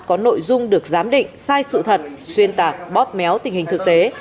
có nội dung được giám định sai sự thật xuyên tạc bóp méo tình hình thực tế